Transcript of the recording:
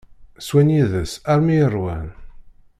Swan yid-s armi i ṛwan.